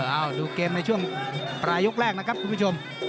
ดูเกมในช่วงปลายยกแรกนะครับคุณผู้ชม